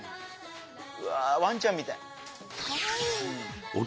うわワンちゃんみたい！